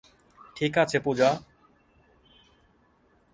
ঠিক আছে পূজা।